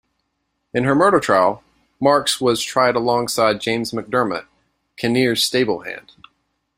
In her murder trial, Marks was tried alongside James McDermott, Kinnear's stable hand.